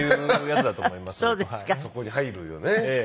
そこに入るよね。